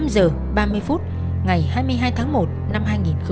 một mươi năm giờ ba mươi phút ngày hai mươi hai tháng một năm hai nghìn một mươi hai